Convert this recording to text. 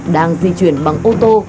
đang di chuyển bằng ô tô